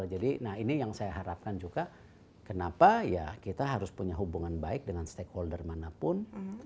jadi ini yang saya harapkan juga kenapa ya kita harus punya hubungan baik dengan stakeholder manapun